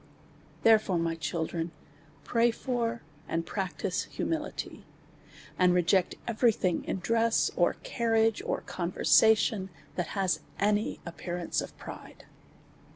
Therefore, my children, pray for, and practise hu mility, and reject every thing in dress, or carriage, or conversation, that has any appearance of pride.